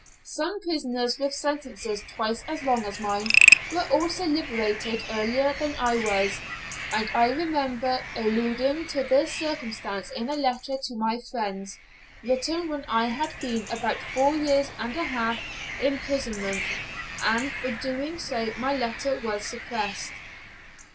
Some prisoners with sentences twice as long as mine were also liberated earlier than I was; and I remember alluding to this circumstance in a letter to my friends, written when I had been about four years and a half in prison; and for doing so my letter was suppressed.